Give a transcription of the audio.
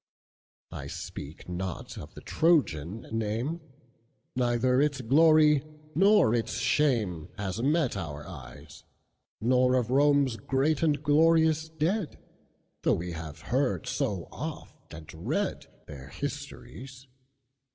I speak not of the Trojan name, Neither its glory nor its shameHas met our eyes; Nor of Rome's great and glorious dead, Though we have heard so oft, and read, Their histories.